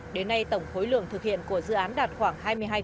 đến nay tổng khối lượng thực hiện của dự án đạt khoảng hai mươi hai